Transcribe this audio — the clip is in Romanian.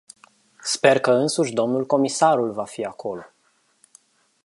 Sper că însuși dl comisarul va fi acolo.